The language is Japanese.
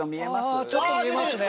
ああちょっと見えますね